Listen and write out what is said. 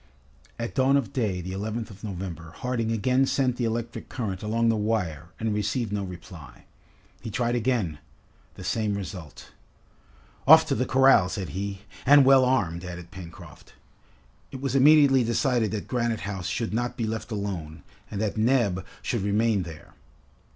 At dawn of day, the 11th of November, Harding again sent the electric current along the wire and received no reply. He tried again: the same result. "Off to the corral," said he. "And well armed!" added Pencroft. It was immediately decided that Granite House should not be left alone and that Neb should remain there.